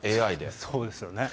そうですよね。